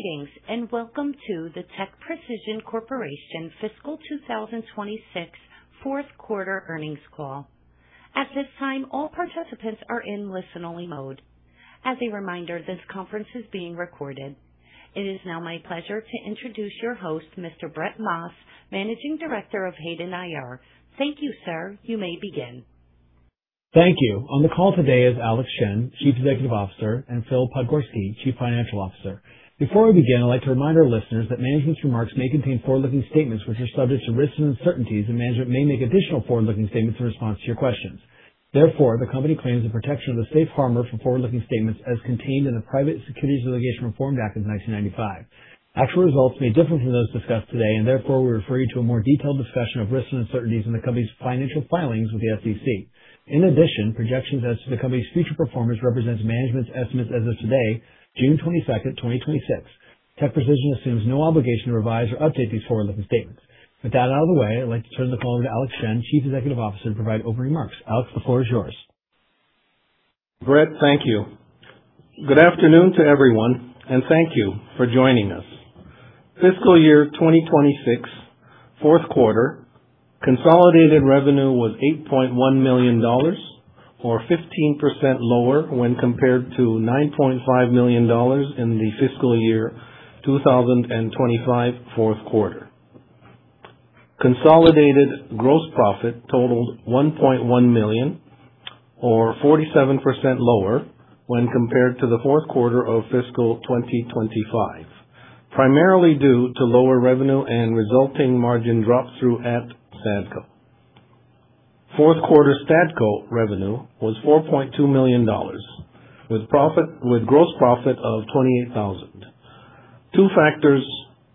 Greetings. Welcome to the TechPrecision Corporation fiscal 2026 Fourth Quarter Earnings Call. At this time, all participants are in listen-only mode. As a reminder, this conference is being recorded. It is now my pleasure to introduce your host, Mr. Brett Maas, Managing Director of Hayden IR. Thank you, sir. You may begin. Thank you. On the call today is Alex Shen, Chief Executive Officer, and Phillip Podgorski, Chief Financial Officer. Before we begin, I'd like to remind our listeners that management's remarks may contain forward-looking statements which are subject to risks and uncertainties, and management may make additional forward-looking statements in response to your questions. Therefore, the company claims the protection of the safe harbor for forward-looking statements as contained in the Private Securities Litigation Reform Act of 1995. Actual results may differ from those discussed today, and therefore, we refer you to a more detailed discussion of risks and uncertainties in the company's financial filings with the SEC. In addition, projections as to the company's future performance represents management's estimates as of today, June 22nd, 2026. TechPrecision assumes no obligation to revise or update these forward-looking statements. With that out of the way, I'd like to turn the call to Alex Shen, Chief Executive Officer, to provide opening remarks. Alex, the floor is yours. Brett, thank you. Good afternoon to everyone. Thank you for joining us. Fiscal year 2026 fourth quarter consolidated revenue was $8.1 million, or 15% lower when compared to $9.5 million in the fiscal year 2025 fourth quarter. Consolidated gross profit totaled $1.1 million, or 47% lower when compared to the fourth quarter of fiscal 2025, primarily due to lower revenue and resulting margin drop through at Stadco. Fourth quarter Stadco revenue was $4.2 million with gross profit of $28,000. Two factors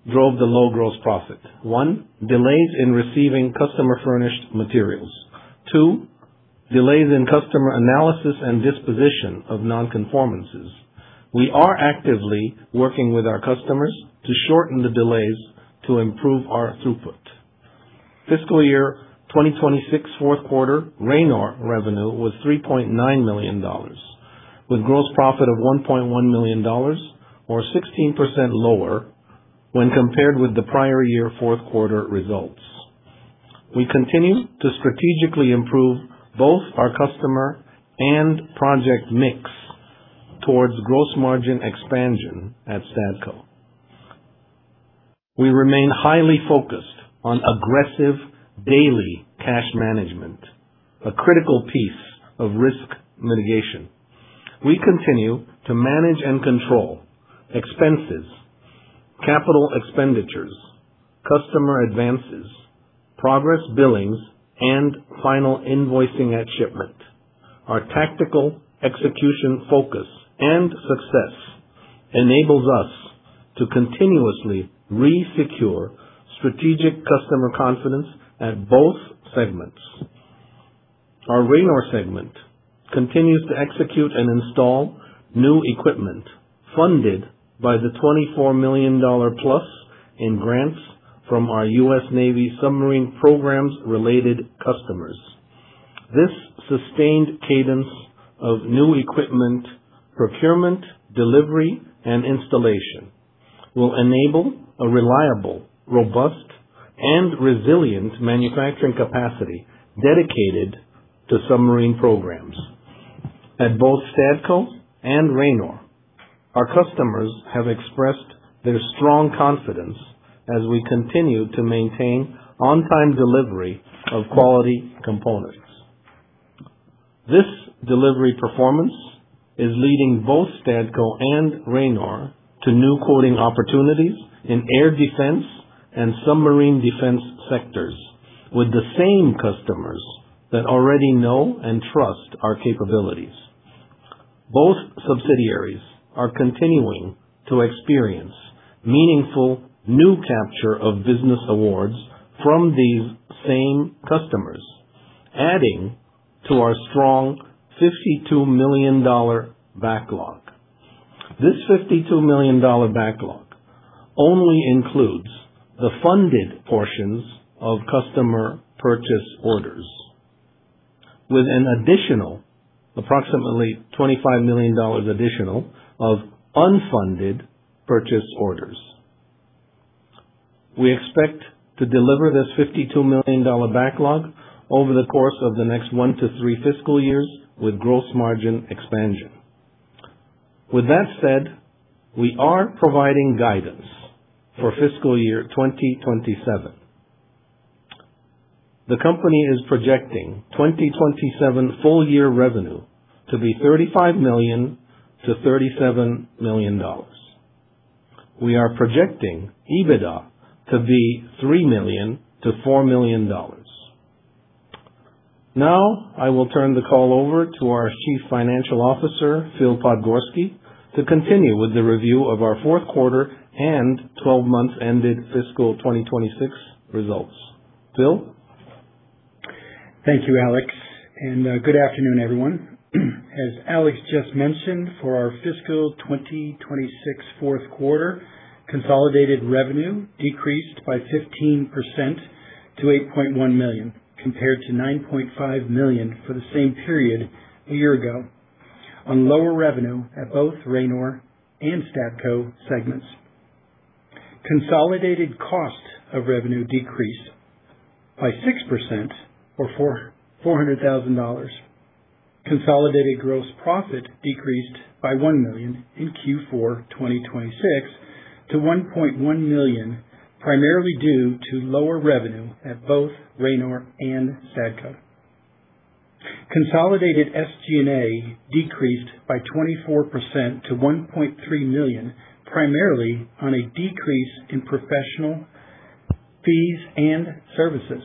drove the low gross profit. One, delays in receiving customer-furnished materials. Two, delays in customer analysis and disposition of non-conformances. We are actively working with our customers to shorten the delays to improve our throughput. Fiscal year 2026 fourth quarter Ranor revenue was $3.9 million, with gross profit of $1.1 million, or 16% lower when compared with the prior year fourth quarter results. We continue to strategically improve both our customer and project mix towards gross margin expansion at Stadco. We remain highly focused on aggressive daily cash management, a critical piece of risk mitigation. We continue to manage and control expenses, CapEx, customer advances, progress billings, and final invoicing at shipment. Our tactical execution focus and success enables us to continuously resecure strategic customer confidence at both segments. Our Ranor segment continues to execute and install new equipment funded by the $24 million-plus in grants from our U.S. Navy submarine programs-related customers. This sustained cadence of new equipment procurement, delivery, and installation will enable a reliable, robust, and resilient manufacturing capacity dedicated to submarine programs. At both Stadco and Ranor, our customers have expressed their strong confidence as we continue to maintain on-time delivery of quality components. This delivery performance is leading both Stadco and Ranor to new quoting opportunities in air defense and submarine defense sectors with the same customers that already know and trust our capabilities. Both subsidiaries are continuing to experience meaningful new capture of business awards from these same customers, adding to our strong $52 million backlog. This $52 million backlog only includes the funded portions of customer purchase orders with an additional, approximately $25 million additional, of unfunded purchase orders. We expect to deliver this $52 million backlog over the course of the next one to three fiscal years with gross margin expansion. With that said, we are providing guidance for fiscal year 2027. The company is projecting 2027 full year revenue to be $35 million-$37 million. We are projecting EBITDA to be $3 million-$4 million. Now, I will turn the call over to our Chief Financial Officer, Phillip Podgorski, to continue with the review of our fourth quarter and 12 months-ended fiscal 2026 results. Phil? Thank you, Alex. Good afternoon, everyone. As Alex just mentioned, for our fiscal 2026 fourth quarter, consolidated revenue decreased by 15% to $8.1 million, compared to $9.5 million for the same period a year ago, on lower revenue at both Ranor and Stadco segments. Consolidated cost of revenue decreased by 6%, or $400,000. Consolidated gross profit decreased by $1 million in Q4 2026 to $1.1 million, primarily due to lower revenue at both Ranor and Stadco. Consolidated SG&A decreased by 24% to $1.3 million, primarily on a decrease in professional fees and services.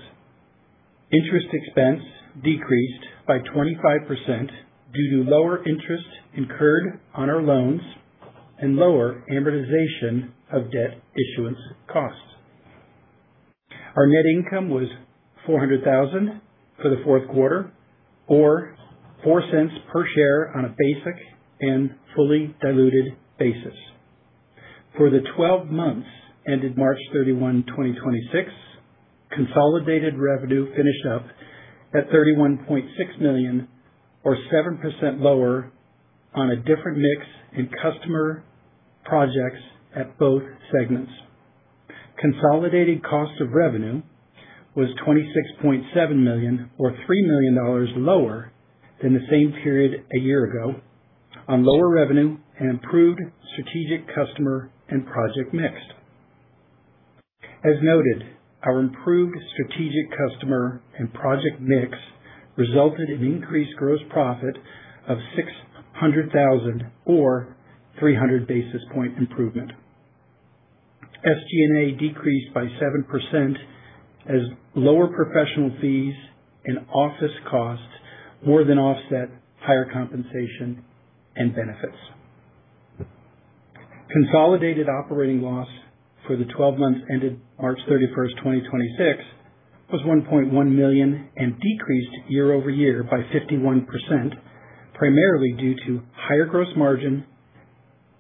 Interest expense decreased by 25% due to lower interest incurred on our loans and lower amortization of debt issuance costs. Our net income was $400,000 for the fourth quarter, or $0.04 per share on a basic and fully diluted basis. For the 12 months ended March 31st, 2026, consolidated revenue finished up at $31.6 million, or 7% lower on a different mix in customer projects at both segments. Consolidated cost of revenue was $26.7 million, or $3 million lower than the same period a year ago, on lower revenue and improved strategic customer and project mix. As noted, our improved strategic customer and project mix resulted in increased gross profit of $600,000, or 300 basis point improvement. SG&A decreased by 7% as lower professional fees and office costs more than offset higher compensation and benefits. Consolidated operating loss for the 12 months ended March 31st, 2026, was $1.1 million and decreased year-over-year by 51%, primarily due to higher gross margin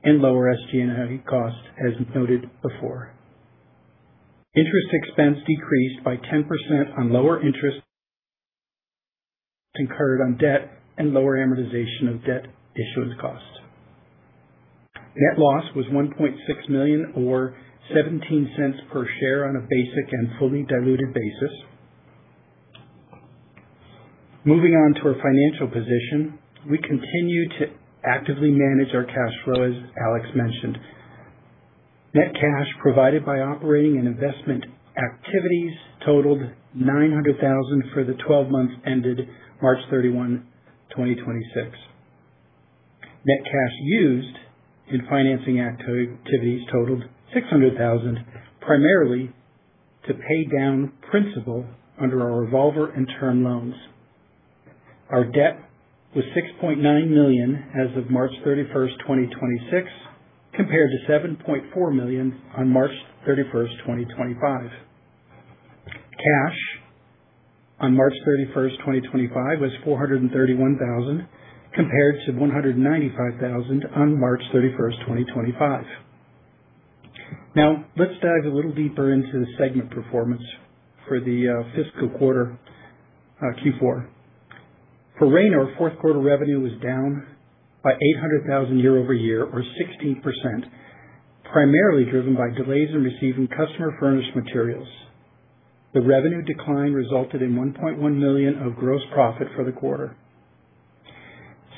and lower SG&A costs, as noted before. Interest expense decreased by 10% on lower interest incurred on debt and lower amortization of debt issuance cost. Net loss was $1.6 million, or $0.17 per share on a basic and fully diluted basis. Moving on to our financial position, we continue to actively manage our cash flow, as Alex mentioned. Net cash provided by operating and investment activities totaled $900,000 for the 12 months ended March 31, 2026. Net cash used in financing activities totaled $600,000, primarily to pay down principal under our revolver and term loans. Our debt was $6.9 million as of March 31st, 2026, compared to $7.4 million on March 31st, 2025. Cash on March 31st, 2025, was $431,000 compared to $195,000 on March 31st, 2025. Now, let's dive a little deeper into the segment performance for the fiscal quarter Q4. For Ranor, fourth quarter revenue was down by $800,000 year-over-year, or 16%, primarily driven by delays in receiving customer furnished materials. The revenue decline resulted in $1.1 million of gross profit for the quarter.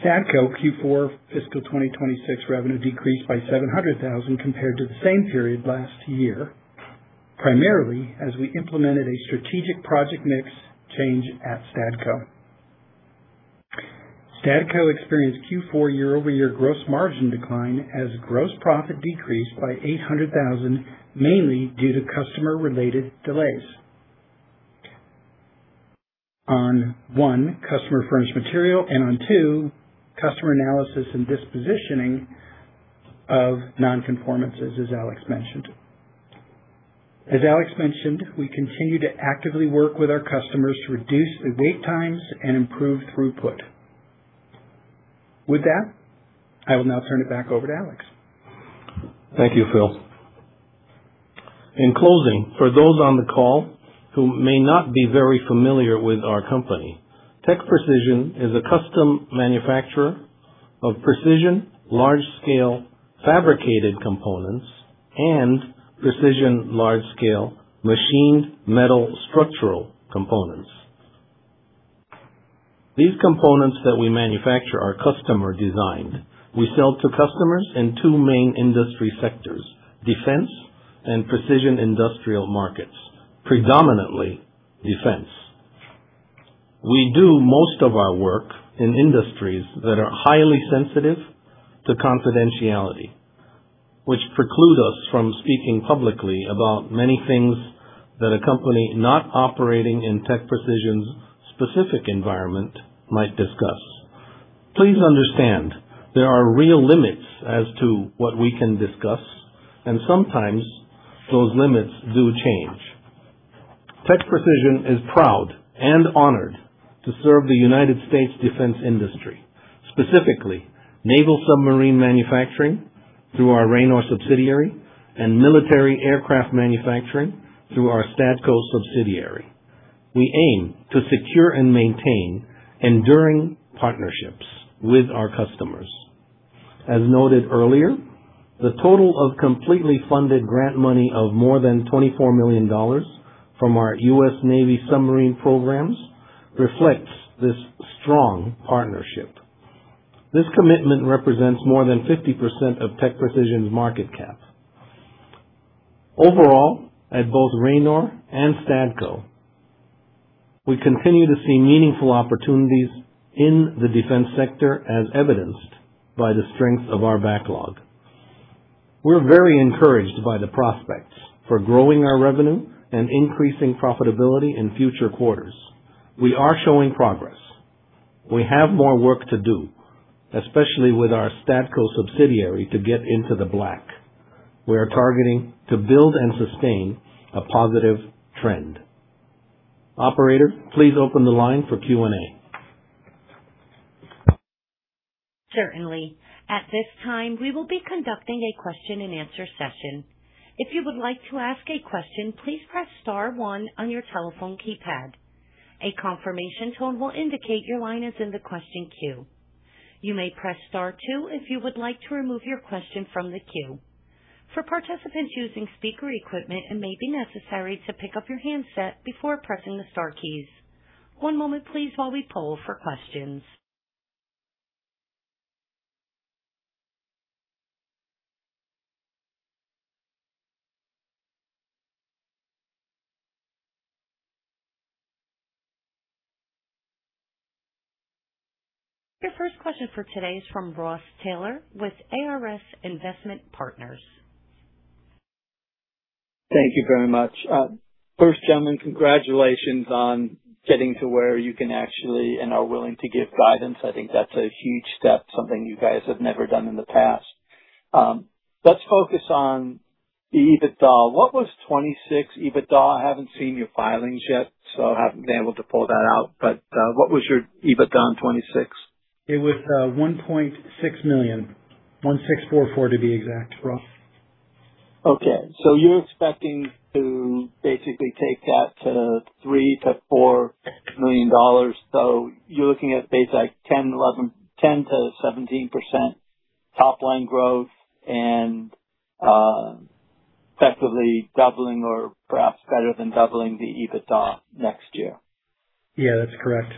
Stadco Q4 fiscal 2026 revenue decreased by $700,000 compared to the same period last year, primarily as we implemented a strategic project mix change at Stadco. Stadco experienced Q4 year-over-year gross margin decline as gross profit decreased by $800,000, mainly due to customer related delays. On one, customer furnished material, and on two, customer analysis and dispositioning of non-conformances, as Alex mentioned. As Alex mentioned, we continue to actively work with our customers to reduce the wait times and improve throughput. With that, I will now turn it back over to Alex. Thank you, Phil. In closing, for those on the call who may not be very familiar with our company, TechPrecision is a custom manufacturer of precision large-scale fabricated components and precision large-scale machined metal structural components. These components that we manufacture are customer designed. We sell to customers in two main industry sectors, defense and precision industrial markets, predominantly defense. We do most of our work in industries that are highly sensitive to confidentiality, which preclude us from speaking publicly about many things that a company not operating in TechPrecision's specific environment might discuss. Please understand there are real limits as to what we can discuss, and sometimes those limits do change. TechPrecision is proud and honored to serve the U.S. defense industry. Specifically, naval submarine manufacturing through our Ranor subsidiary and military aircraft manufacturing through our Stadco subsidiary. We aim to secure and maintain enduring partnerships with our customers. As noted earlier, the total of completely funded grant money of more than $24 million from our U.S. Navy submarine programs reflects this strong partnership. This commitment represents more than 50% of TechPrecision's market cap. Overall, at both Ranor and Stadco, we continue to see meaningful opportunities in the defense sector, as evidenced by the strength of our backlog. We are very encouraged by the prospects for growing our revenue and increasing profitability in future quarters. We are showing progress. We have more work to do, especially with our Stadco subsidiary, to get into the black. We are targeting to build and sustain a positive trend. Operator, please open the line for Q&A. Certainly. At this time, we will be conducting a question and answer session. If you would like to ask a question, please press star one on your telephone keypad. A confirmation tone will indicate your line is in the question queue. You may press star two if you would like to remove your question from the queue. For participants using speaker equipment, it may be necessary to pick up your handset before pressing the star keys. One moment please while we poll for questions. Your first question for today is from Ross Taylor with ARS Investment Partners. Thank you very much. First, gentlemen, congratulations on getting to where you can actually and are willing to give guidance. I think that's a huge step, something you guys have never done in the past. Let's focus on the EBITDA. What was 2026 EBITDA? I haven't seen your filings yet, so I haven't been able to pull that out. What was your EBITDA in 2026? It was $1.6 million. $1,644 to be exact, Ross. You're expecting to basically take that to $3 million-$4 million. You're looking at, basically, 10%-17% top-line growth and effectively doubling or perhaps better than doubling the EBITDA next year. Yeah, that's correct.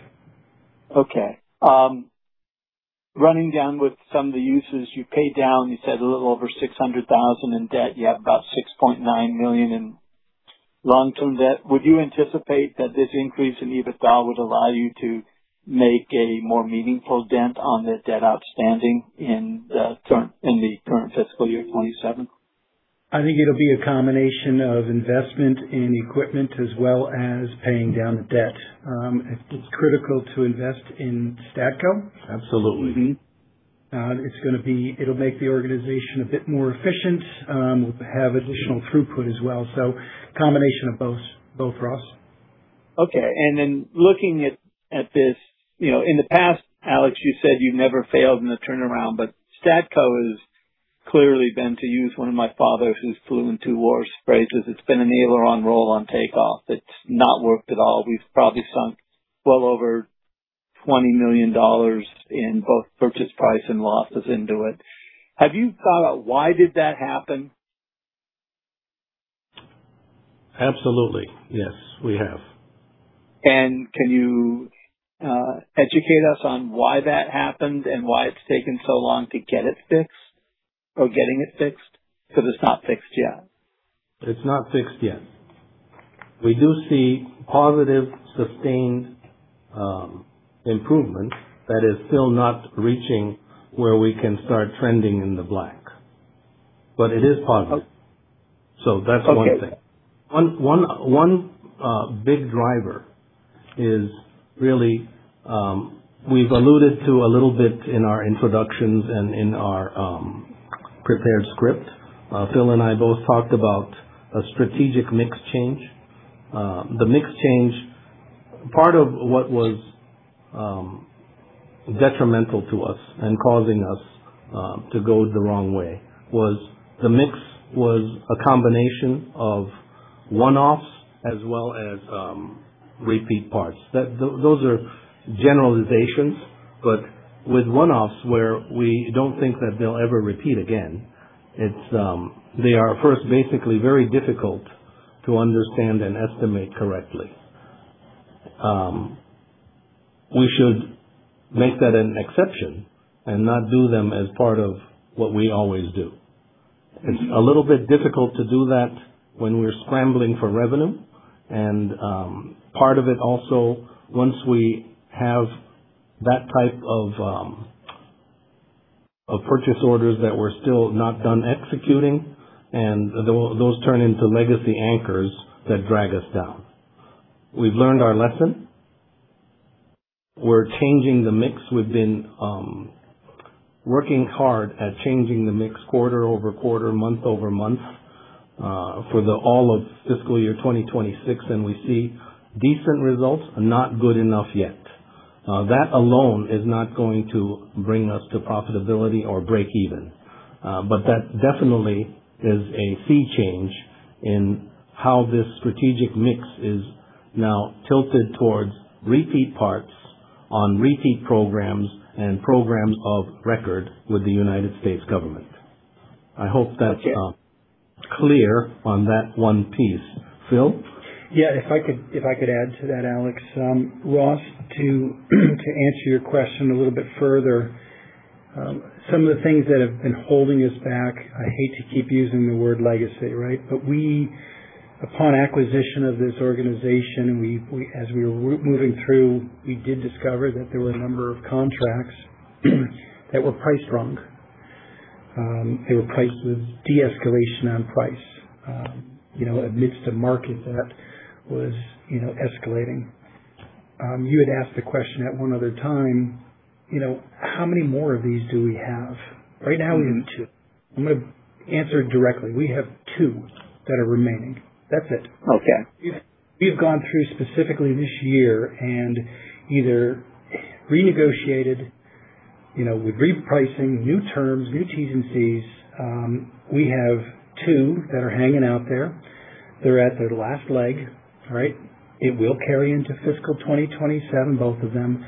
Running down with some of the uses, you paid down, you said a little over $600,000 in debt. You have about $6.9 million in long-term debt. Would you anticipate that this increase in EBITDA would allow you to make a more meaningful dent on the debt outstanding in the current fiscal year, 2027? I think it'll be a combination of investment in equipment as well as paying down the debt. It's critical to invest in Stadco. Absolutely. It'll make the organization a bit more efficient. We'll have additional throughput as well. A combination of both, Ross. Looking at this, in the past, Alex, you said you've never failed in a turnaround, but Stadco has clearly been, to use one of my father's, who's flew in two wars, phrases, it's been an aileron roll on takeoff. It's not worked at all. We've probably sunk well over $20 million in both purchase price and losses into it. Have you thought about why did that happen? Absolutely. Yes, we have. Can you educate us on why that happened and why it's taken so long to get it fixed or getting it fixed? Because it's not fixed yet. It's not fixed yet. We do see positive, sustained improvement that is still not reaching where we can start trending in the black. It is positive. Okay. That's one thing. One big driver is really, we've alluded to a little bit in our introductions and in our prepared script. Phil and I both talked about a strategic mix change. The mix change, part of what was detrimental to us and causing us to go the wrong way was the mix was a combination of one-offs as well as repeat parts. Those are generalizations, but with one-offs where we don't think that they'll ever repeat again, they are first basically very difficult to understand and estimate correctly. We should make that an exception and not do them as part of what we always do. It's a little bit difficult to do that when we're scrambling for revenue, and part of it also, once we have that type of purchase orders that we're still not done executing, and those turn into legacy anchors that drag us down. We've learned our lesson. We're changing the mix. We've been working hard at changing the mix quarter-over-quarter, month-over-month, for the all of fiscal year 2026, and we see decent results, not good enough yet. That alone is not going to bring us to profitability or breakeven. That definitely is a sea change in how this strategic mix is now tilted towards repeat parts on repeat programs and programs of record with the U.S. government. I hope that's clear on that one piece. Phil? Yeah. If I could add to that, Alex. Ross, to answer your question a little bit further, some of the things that have been holding us back, I hate to keep using the word legacy, right? We, upon acquisition of this organization, as we were moving through, we did discover that there were a number of contracts that were priced wrong. They were priced with de-escalation on price amidst a market that was escalating. You had asked the question at one other time, how many more of these do we have? Right now, we have two. I'm going to answer it directly. We have two that are remaining. That's it. Okay. We've gone through specifically this year and either renegotiated with repricing, new terms, new Ts and Cs. We have two that are hanging out there. They're at their last leg, right? It will carry into fiscal 2027, both of them.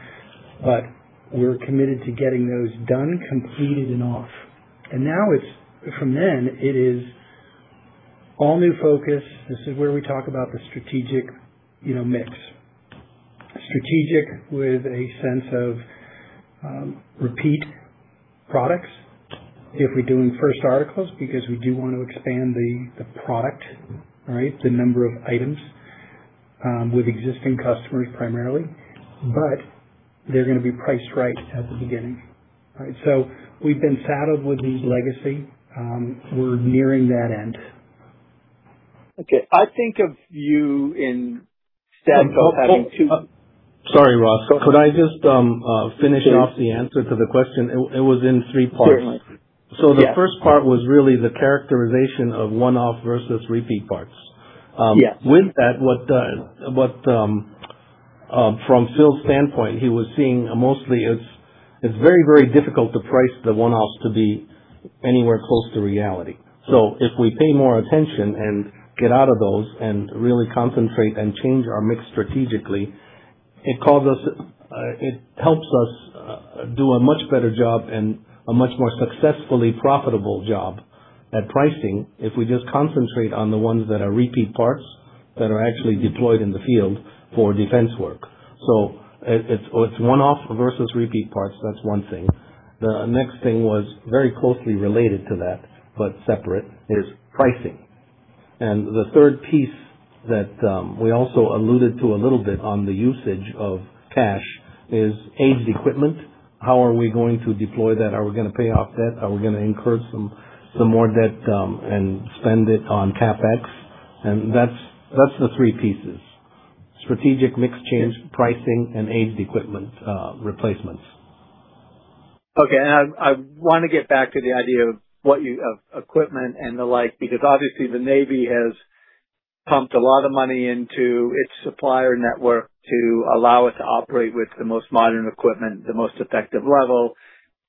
We're committed to getting those done, completed, and off. Now from then, it is all new focus. This is where we talk about the strategic mix. Strategic with a sense of repeat products. If we're doing first articles, because we do want to expand the product, right? The number of items, with existing customers primarily. They're going to be priced right at the beginning. Right? So we've been saddled with these legacy. We're nearing that end. Okay. I think of you in Stadco having two- Sorry, Ross. Go ahead. Could I just finish off the answer to the question? It was in three parts. Certainly. Yes. The first part was really the characterization of one-off versus repeat parts. Yes. With that, from Phil's standpoint, he was seeing mostly it's very, very difficult to price the one-offs to be anywhere close to reality. If we pay more attention and get out of those and really concentrate and change our mix strategically, it helps us do a much better job and a much more successfully profitable job at pricing if we just concentrate on the ones that are repeat parts that are actually deployed in the field for defense work. It's one-off versus repeat parts. That's one thing. The next thing was very closely related to that, but separate, is pricing. The third piece that we also alluded to a little bit on the usage of cash is aged equipment. How are we going to deploy that? Are we going to pay off debt? Are we going to incur some more debt and spend it on CapEx? That's the three pieces. Strategic mix change, pricing, and aged equipment replacements. Okay. I want to get back to the idea of equipment and the like, because obviously the Navy has pumped a lot of money into its supplier network to allow it to operate with the most modern equipment at the most effective level.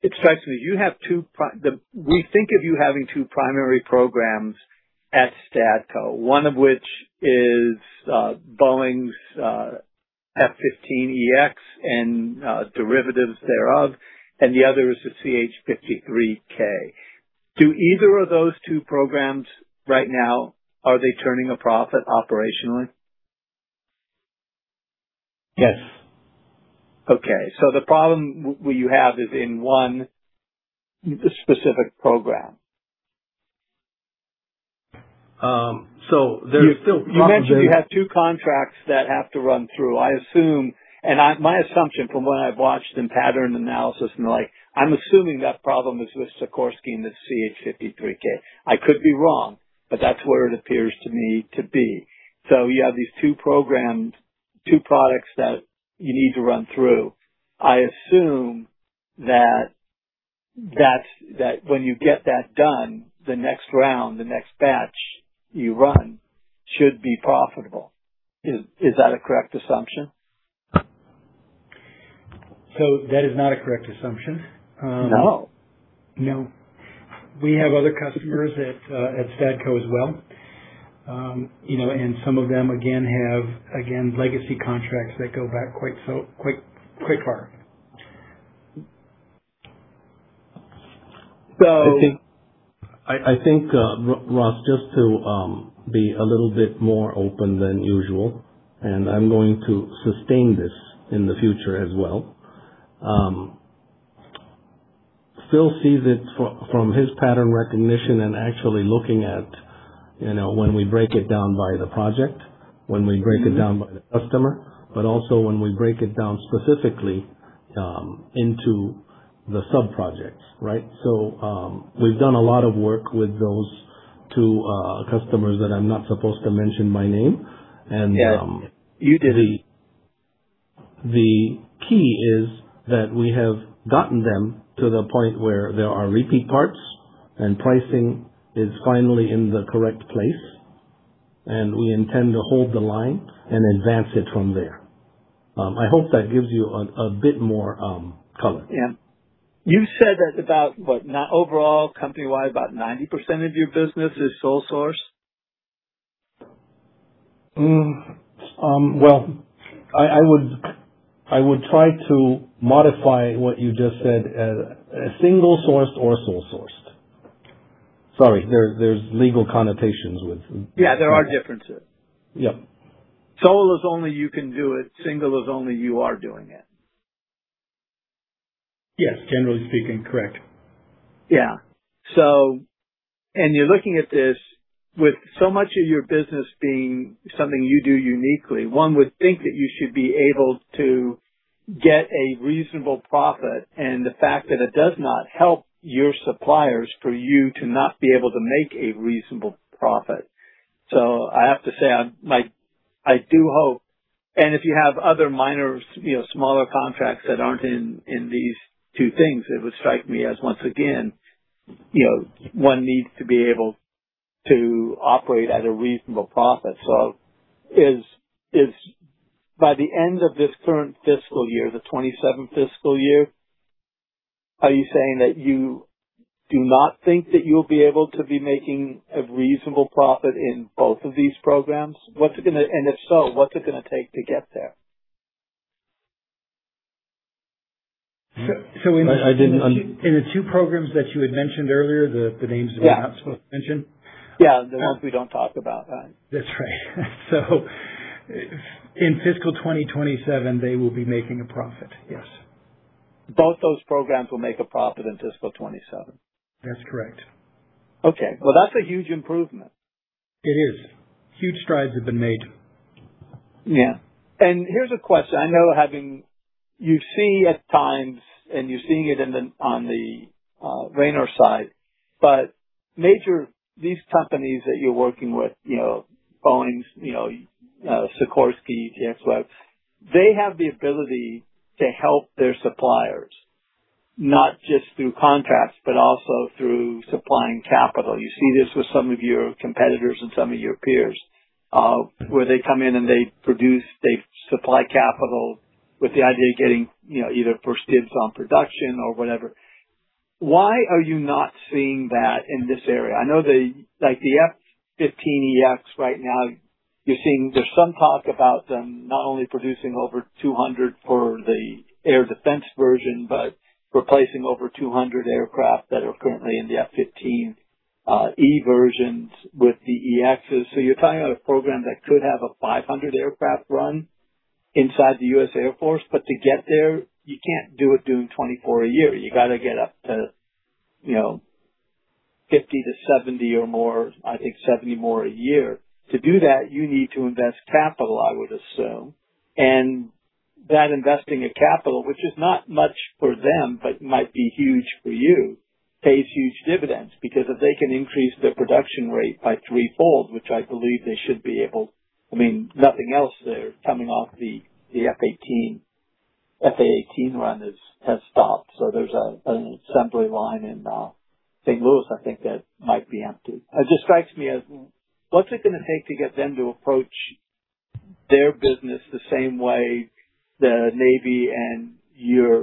It strikes me that we think of you having two primary programs at Stadco. One of which is Boeing's F-15EX and derivatives thereof, and the other is the CH-53K. Do either of those two programs right now, are they turning a profit operationally? Yes. Okay. The problem you have is in one specific program. There are still problems. You mentioned you have two contracts that have to run through. My assumption from what I've watched in pattern analysis and the like, I'm assuming that problem is with Sikorsky and the CH-53K. I could be wrong, but that's where it appears to me to be. You have these two programs, two products that you need to run through. I assume that when you get that done, the next round, the next batch you run should be profitable. Is that a correct assumption? That is not a correct assumption. No? No. We have other customers at Stadco as well. Some of them, again, have, again, legacy contracts that go back quite far. So- I think, Ross, just to be a little bit more open than usual, I'm going to sustain this in the future as well. Phil sees it from his pattern recognition and actually looking at when we break it down by the project, when we break it down by the customer, but also when we break it down specifically into the sub-projects, right? We've done a lot of work with those two customers that I'm not supposed to mention by name. Yes. You did a The key is that we have gotten them to the point where there are repeat parts and pricing is finally in the correct place, and we intend to hold the line and advance it from there. I hope that gives you a bit more color. Yeah. You said that about what, overall, company-wide, about 90% of your business is sole source? Well, I would try to modify what you just said. A single sourced or sole sourced. Sorry, there's legal connotations with- Yeah, there are differences. Yep. Sole is only you can do it, single is only you are doing it. Yes. Generally speaking, correct. You're looking at this with so much of your business being something you do uniquely, one would think that you should be able to get a reasonable profit, and the fact that it does not help your suppliers for you to not be able to make a reasonable profit. I have to say, I do hope, and if you have other minor, smaller contracts that aren't in these two things, it would strike me as, once again, one needs to be able to operate at a reasonable profit. By the end of this current fiscal year, the 27th fiscal year, are you saying that you do not think that you'll be able to be making a reasonable profit in both of these programs? And if so, what's it going to take to get there? In the two programs that you had mentioned earlier, the names that I'm not supposed to mention. Yeah. The ones we don't talk about. Right. That's right. In fiscal 2027, they will be making a profit, yes. Both those programs will make a profit in fiscal 2027? That's correct. That's a huge improvement. It is. Huge strides have been made. Here's a question. I know you see at times, and you're seeing it on the Ranor side, but these companies that you're working with, Boeing, Sikorsky, GX Web, they have the ability to help their suppliers, not just through contracts, but also through supplying capital. You see this with some of your competitors and some of your peers, where they come in and they supply capital with the idea of getting either first dibs on production or whatever. Why are you not seeing that in this area? I know like the F-15EX right now, there's some talk about them not only producing over 200 for the air defense version, but replacing over 200 aircraft that are currently in the F-15E versions with the EXs. You're talking about a program that could have a 500 aircraft run inside the U.S. Air Force. To get there, you can't do it doing 24 a year. You got to get up to 50-70 or more, I think 70 more a year. To do that, you need to invest capital, I would assume. That investing of capital, which is not much for them, but might be huge for you, pays huge dividends because if they can increase their production rate by threefold, which I believe they should be able. If nothing else, they're coming off the F/A-18 run has stopped. There's an assembly line in St. Louis, I think, that might be empty. It just strikes me as, what's it going to take to get them to approach their business the same way the U.S. Navy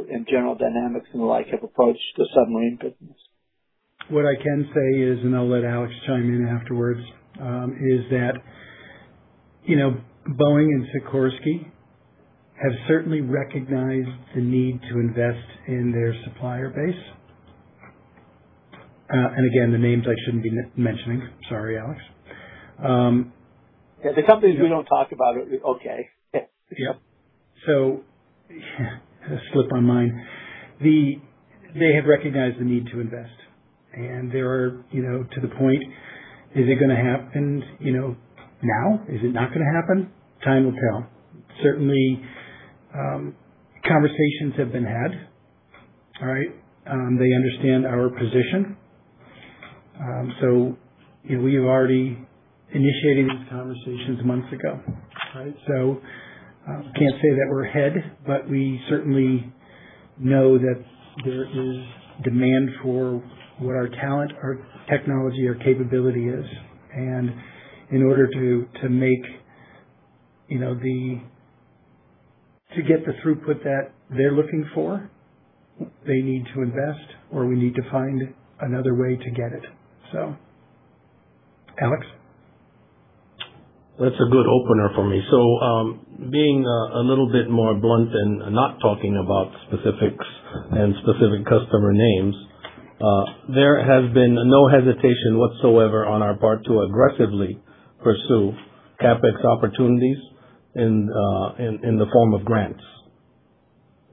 and General Dynamics and the like have approached the submarine business? What I can say is, I'll let Alex chime in afterwards, is that Boeing and Sikorsky have certainly recognized the need to invest in their supplier base. Again, the names I shouldn't be mentioning. Sorry, Alex. Yeah. The companies we don't talk about are okay. Yep. Had a slip on mine. They have recognized the need to invest, they are to the point, is it going to happen now? Is it not going to happen? Time will tell. Certainly, conversations have been had. All right. They understand our position. We've already initiated these conversations months ago. Can't say that we're ahead, but we certainly know that there is demand for what our talent, our technology, our capability is. In order to get the throughput that they're looking for, they need to invest, or we need to find another way to get it. Alex. That's a good opener for me. Being a little bit more blunt and not talking about specifics and specific customer names, there has been no hesitation whatsoever on our part to aggressively pursue CapEx opportunities in the form of grants.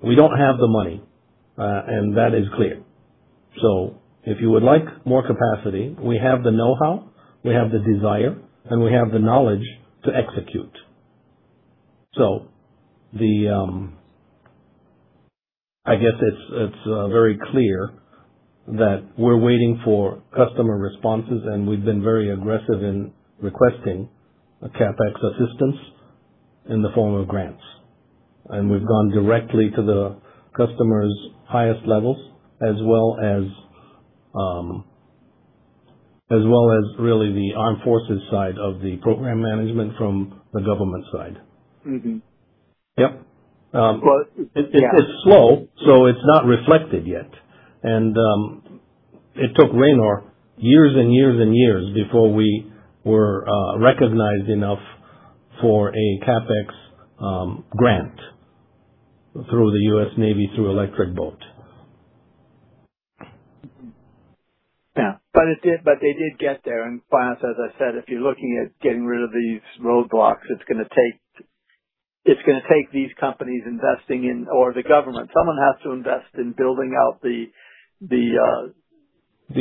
We don't have the money, and that is clear. If you would like more capacity, we have the know-how, we have the desire, and we have the knowledge to execute. It's very clear that we're waiting for customer responses, and we've been very aggressive in requesting CapEx assistance in the form of grants. We've gone directly to the customer's highest levels, as well as really the armed forces side of the program management from the government side. Yep. It's slow, so it's not reflected yet. It took Ranor years and years and years before we were recognized enough for a CapEx grant through the U.S. Navy, through Electric Boat. Yeah. They did get there. FAIs, as I said, if you're looking at getting rid of these roadblocks, it's going to take these companies investing in, or the government. Someone has to invest in building out the- The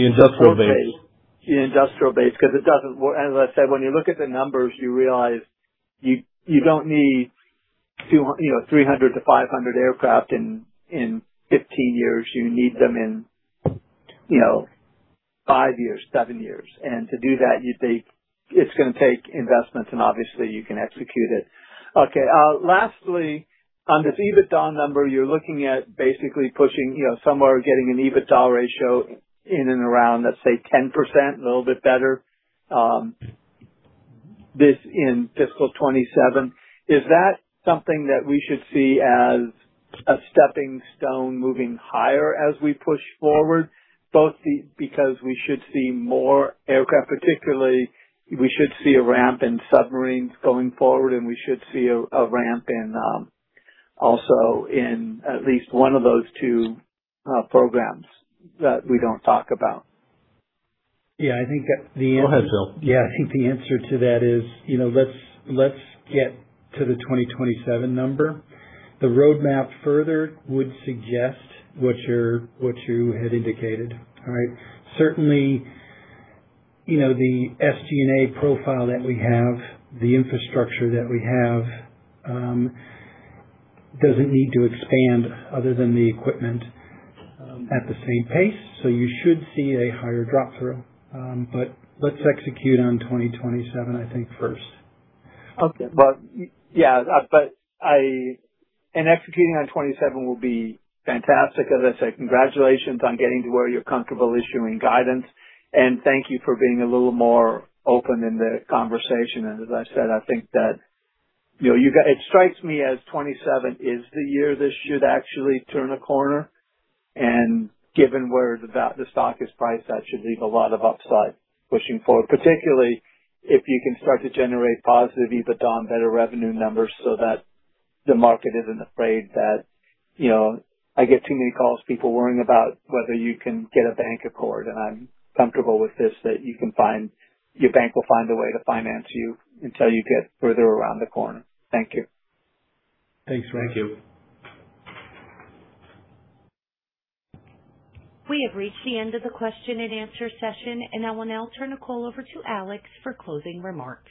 industrial base. The industrial base, because it doesn't work. As I said, when you look at the numbers, you realize you don't need 300-500 aircraft in 15 years. You need them in five years, seven years. To do that, it's going to take investments, and obviously, you can execute it. Okay, lastly, on this EBITDA number, you're looking at basically pushing somewhere, getting an EBITDA ratio in and around, let's say, 10%, a little bit better, this in fiscal 2027. Is that something that we should see as a stepping stone moving higher as we push forward, both because we should see more aircraft, particularly we should see a ramp in submarines going forward, and we should see a ramp also in at least one of those two programs that we don't talk about? Yeah, I think that the- Go ahead, Phil. Yeah, I think the answer to that is, let's get to the 2027 number. The roadmap further would suggest what you had indicated. All right. Certainly, the SG&A profile that we have, the infrastructure that we have, doesn't need to expand other than the equipment at the same pace. You should see a higher drop-through. Let's execute on 2027, I think, first. Okay. Yeah. Executing on 2027 will be fantastic. As I said, congratulations on getting to where you're comfortable issuing guidance, thank you for being a little more open in the conversation. As I said, I think that it strikes me as 2027 is the year this should actually turn a corner. Given where the stock is priced, that should leave a lot of upside pushing forward, particularly if you can start to generate positive EBITDA and better revenue numbers so that the market isn't afraid that I get too many calls, people worrying about whether you can get a bank accord, I'm comfortable with this, that your bank will find a way to finance you until you get further around the corner. Thank you. Thanks, Ross. Thank you. We have reached the end of the question and answer session. I will now turn the call over to Alex for closing remarks.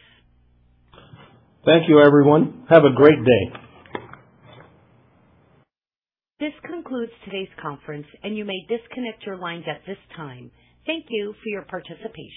Thank you, everyone. Have a great day. This concludes today's conference. You may disconnect your lines at this time. Thank you for your participation.